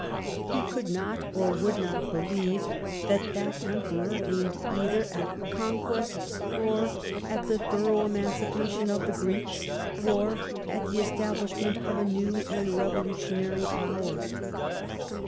He could not or would not believe that that Emperor aimed either " at conquests, or at the thorough emancipa tion of the Greeks, or at the establishment of a new and revolutionary power."